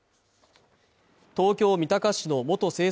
東京三鷹市の元清掃